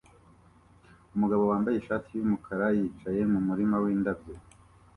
Umugabo wambaye ishati yumukara yicaye mumurima windabyo